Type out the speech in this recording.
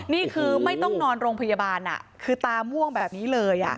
นี่คือไม่ต้องนอนโรงพยาบาลคือตาม่วงแบบนี้เลย